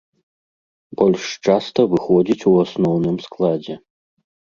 Больш часта выходзіць у асноўным складзе.